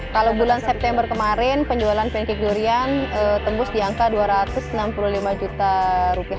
kalau bulan september kemarin penjualan pancake durian tembus di angka dua ratus enam puluh lima juta rupiah